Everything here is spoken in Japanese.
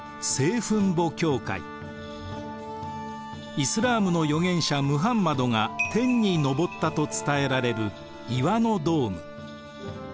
イスラームの預言者ムハンマドが天に昇ったと伝えられる岩のドーム。